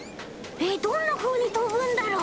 えっどんなふうにとぶんだろ？